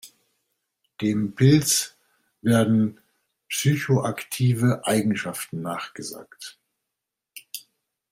Dem Pilz werden psychoaktive Eigenschaften nachgesagt.